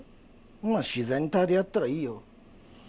まあ自然体でやったらいいよ。